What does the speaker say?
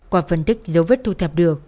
qua phân tích dấu vết thu thập được